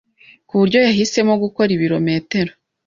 ku buryo yahisemo gukora ibirometero